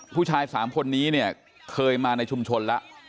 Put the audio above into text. ผู้ชาย๓คนนี้เนี่ยเคยมาในชุมชนแล้ว